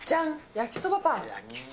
焼きそばパン。